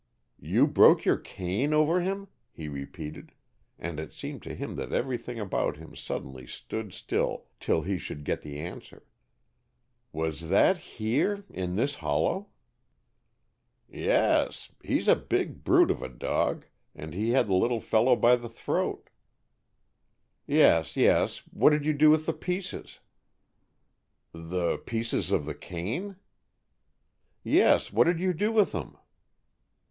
"You broke your cane over him?" he repeated, and it seemed to him that everything about him suddenly stood still till he should get the answer. "Was that here, in this hollow?" "Yes. He's a big brute of a dog, and he had the little fellow by the throat " "Yes, yes. What did you do with the pieces?" "The pieces of the cane?" "Yes. What did you do with them?"